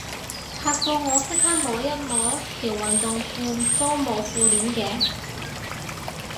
嚇到我即刻摸一摸，條運動褲都冇褲鏈嘅